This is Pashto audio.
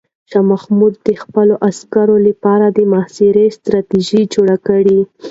شاه محمود د خپلو عسکرو لپاره د محاصرې ستراتیژي جوړه کړه.